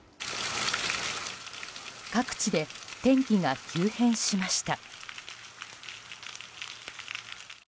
各地で天気が急変しました。